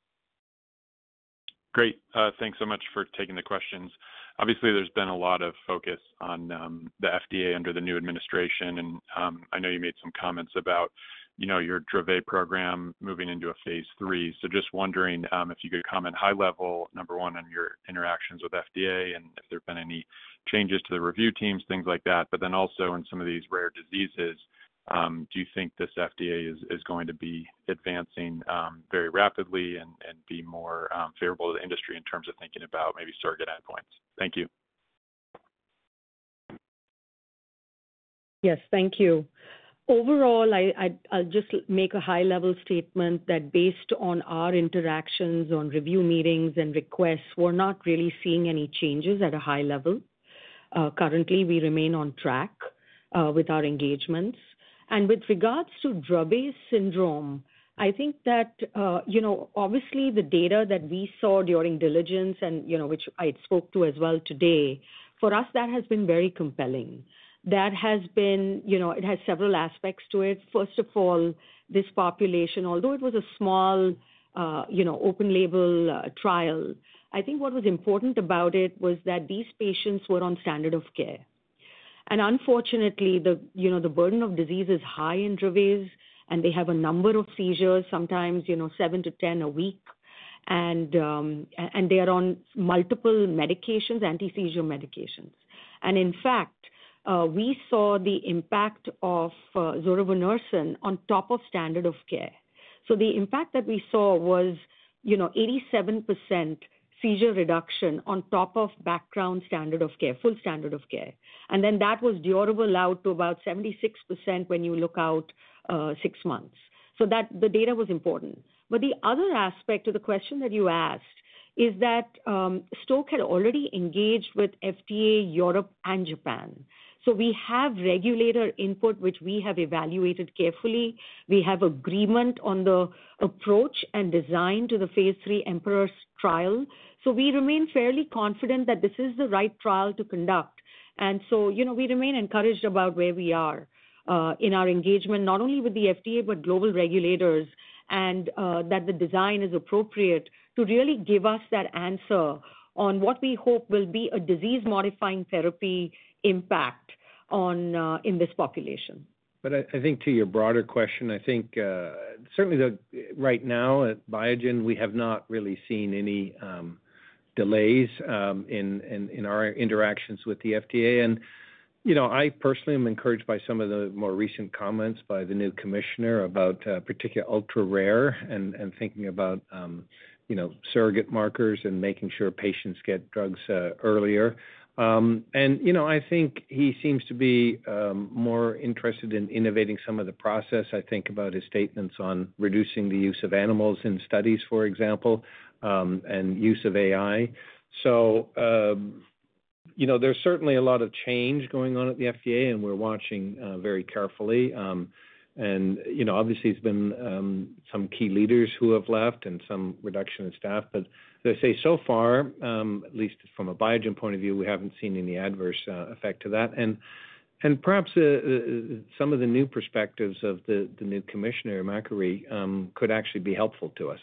Great. Thanks so much for taking the questions. Obviously, there's been a lot of focus on the FDA under the new administration. I know you made some comments about your Dravet program moving into a phase III. Just wondering if you could comment high level, number one, on your interactions with FDA and if there have been any changes to the review teams, things like that. Also, in some of these rare diseases, do you think this FDA is going to be advancing very rapidly and be more favorable to the industry in terms of thinking about maybe surrogate endpoints? Thank you. Yes, thank you. Overall, I'll just make a high-level statement that based on our interactions on review meetings and requests, we're not really seeing any changes at a high level. Currently, we remain on track with our engagements. With regards to Dravet syndrome, I think that obviously the data that we saw during diligence, which I spoke to as well today, for us, that has been very compelling. That has been it has several aspects to it. First of all, this population, although it was a small open-label trial, I think what was important about it was that these patients were on standard of care. Unfortunately, the burden of disease is high in Dravet, and they have a number of seizures, sometimes 7-10 a week. They are on multiple medications, anti-seizure medications. In fact, we saw the impact of zoravonersen on top of standard of care. The impact that we saw was 87% seizure reduction on top of background standard of care, full standard of care. That was durable out to about 76% when you look out six months. The data was important. The other aspect of the question that you asked is that Stoke had already engaged with FDA, Europe, and Japan. We have regulator input, which we have evaluated carefully. We have agreement on the approach and design to the phase III EMPEROR study. We remain fairly confident that this is the right trial to conduct. We remain encouraged about where we are in our engagement, not only with the FDA, but global regulators, and that the design is appropriate to really give us that answer on what we hope will be a disease-modifying therapy impact in this population. I think to your broader question, I think certainly right now at Biogen, we have not really seen any delays in our interactions with the FDA. I personally am encouraged by some of the more recent comments by the new commissioner about particular ultra rare and thinking about surrogate markers and making sure patients get drugs earlier. I think he seems to be more interested in innovating some of the process, I think, about his statements on reducing the use of animals in studies, for example, and use of AI. There is certainly a lot of change going on at the FDA, and we're watching very carefully. Obviously, there's been some key leaders who have left and some reduction in staff. They say so far, at least from a Biogen point of view, we haven't seen any adverse effect to that. Perhaps some of the new perspectives of the new Commissioner, Makary, could actually be helpful to us.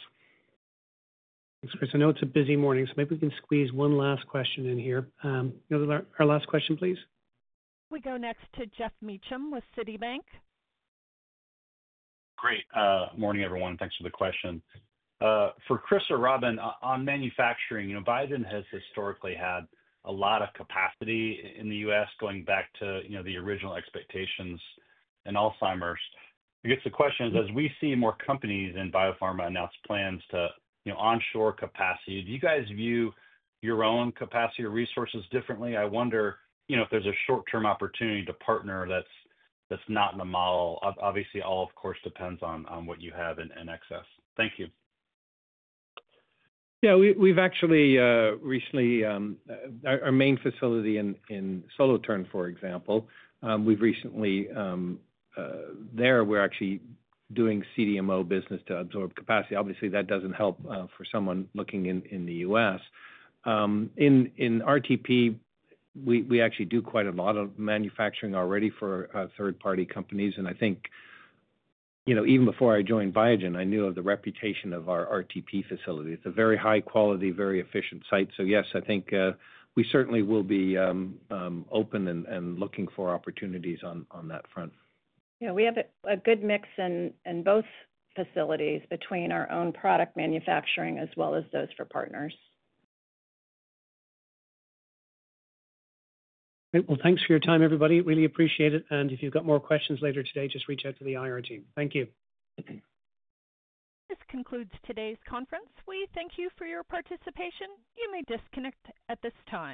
Thanks, Chris. I know it's a busy morning, so maybe we can squeeze one last question in here. Melinda, our last question, please. We go next to Geoff Meacham with Citibank. Great. Morning, everyone. Thanks for the question. For Chris or Robin, on manufacturing, Biogen has historically had a lot of capacity in the U.S. going back to the original expectations in Alzheimer's. I guess the question is, as we see more companies in biopharma announce plans to onshore capacity, do you guys view your own capacity or resources differently? I wonder if there's a short-term opportunity to partner that's not in the model. Obviously, all, of course, depends on what you have in excess. Thank you. Yeah. We've actually recently, our main facility in Solothurn, for example, we've recently there, we're actually doing CDMO business to absorb capacity. Obviously, that doesn't help for someone looking in the U.S. In RTP, we actually do quite a lot of manufacturing already for third-party companies. I think even before I joined Biogen, I knew of the reputation of our RTP facility. It's a very high-quality, very efficient site. Yes, I think we certainly will be open and looking for opportunities on that front. Yeah. We have a good mix in both facilities between our own product manufacturing as well as those for partners. Great. Thanks for your time, everybody. Really appreciate it. If you've got more questions later today, just reach out to the IR team. Thank you. This concludes today's conference. We thank you for your participation. You may disconnect at this time.